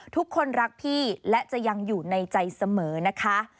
ทุกคนรักพี่และจะยังอยู่ในใจเสมอนะคะ